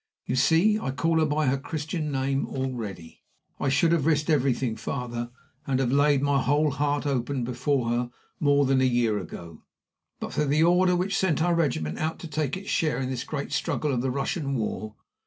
(You see I call her by her Christian name already!) "I should have risked everything, father, and have laid my whole heart open before her more than a year ago, but for the order which sent our regiment out to take its share in this great struggle of the Russian war.